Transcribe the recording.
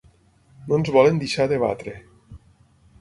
No ens volen deixar debatre.